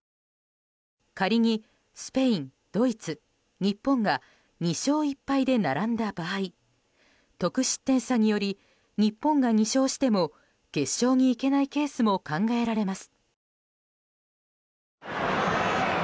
仮にスペイン、ドイツ、日本が２勝１敗で並んだ場合得失点差により日本が２勝しても決勝に行けないケースも考えられます。